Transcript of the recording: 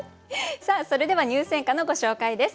さあそれでは入選歌のご紹介です。